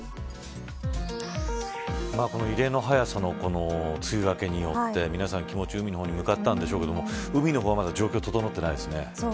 この異例の早さの梅雨明けによって皆さん、気持ち、海の方に向かったんでしょうけれど海の方はまだ状況、整ってないですね。